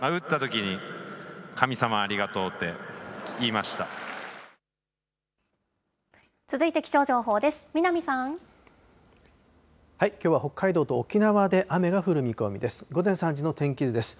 きょうは北海道と沖縄で雨が降る見込みです。